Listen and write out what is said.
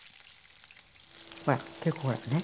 ほら結構ほらね？